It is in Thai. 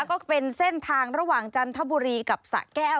ก็เป็นเส้นทางระหว่างจันทบุรีกับสะแก้ว